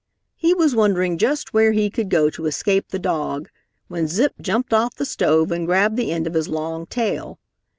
He was wondering just where he could go to escape the dog when Zip jumped off the stove and grabbed the end of his long tail.